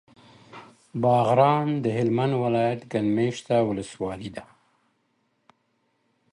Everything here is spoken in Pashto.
باغران د هلمند ولایت ګڼ مېشته ولسوالي ده.